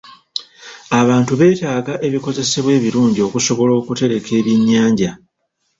Abantu beetaaga ebikozesebwa ebirungi okusobola okutereka ebyennyanja.